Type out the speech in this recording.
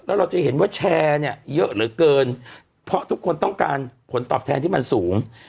แล้วเราจะเห็นว่าแชร์เนี่ยเยอะเหลือเกินเพราะทุกคนต้องการผลตอบแทนที่มันสูง